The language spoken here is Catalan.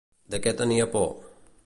De què tenia por?